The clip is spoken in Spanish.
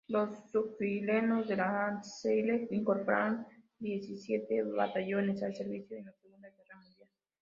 Los Fusileros de Lancashire incorporaron diecisiete batallones al servicio en la Segunda Guerra Mundial.